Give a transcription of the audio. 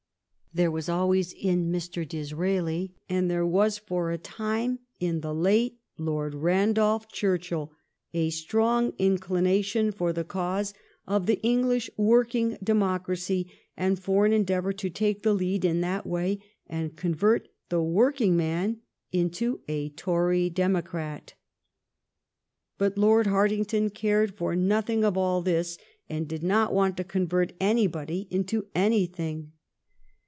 There was always in Mr. Disraeli, and there was for a time in the late Lord Randolph Churchill, a strong inclination for the cause of the English working democracy, and for an en deavor to take the lead in that way and convert the workingman into a Tory democrat. But Lord Hartington cared for nothing of all this, and did not want to convert anybody into anything.